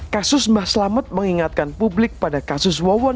kasus mbah selamat mengingatkan publik pada kasus wawon cs